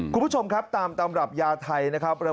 คุณผู้ชมครับตามตำรับยาไทยนะครับ